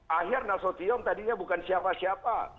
akhir nasution tadinya bukan siapa siapa